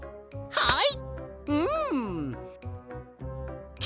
はい！